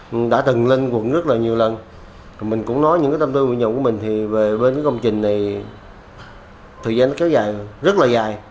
mình đã từng lên quận rất là nhiều lần mình cũng nói những tâm tư nguyện nhận của mình thì về bên công trình thì thời gian nó kéo dài rất là dài